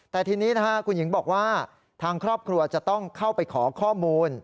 แต่ทีนี้คุณหญิงบอกว่าทางครอบครัวจะต้องเข้าไปขอข้อมูล